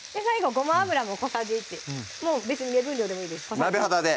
ごま油も小さじ１もう別に目分量でもいいです鍋肌で？